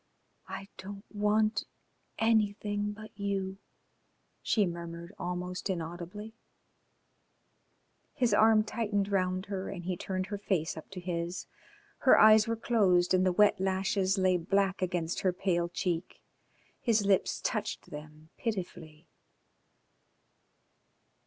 "I don't want anything but you," she murmured almost inaudibly. His arm tightened round her and he turned her face up to his. Her eyes were closed and the wet lashes lay black against her pale cheek. His lips touched them pitifully.